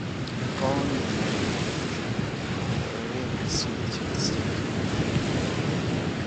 Following the American Revolution, the area was ceded to the State of New York.